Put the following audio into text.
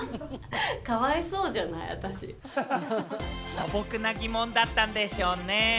素朴な疑問だったんでしょうね。